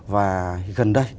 và gần đây